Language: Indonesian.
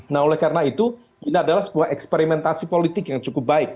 nah oleh karena itu ini adalah sebuah eksperimentasi politik yang cukup baik